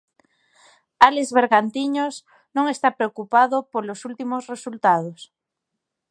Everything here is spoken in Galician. Álex Bergantiños non está preocupado polos últimos resultados.